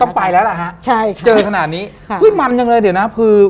ต้องไปแล้วล่ะฮะเจอขนาดนี้มันจังเลยเดี๋ยวนะ